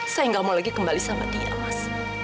saya nggak mau lagi kembali sama dia mas